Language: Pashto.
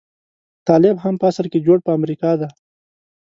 طالب هم په اصل کې جوړ په امريکا دی.